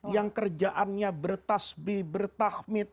yang kerjaannya bertazbih bertakhmid